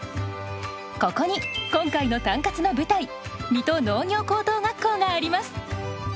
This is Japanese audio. ここに今回の「タンカツ」の舞台水戸農業高等学校があります。